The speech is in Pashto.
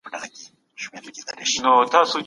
دا يوه ربع د ساعت ده.